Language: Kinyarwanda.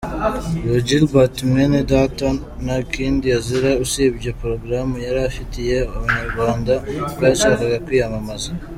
Uyu Gilbert Mwenedata nta kindi azira usibye program yari afitiye abanyarwanda ubwo yashakaga kwiyamamaza.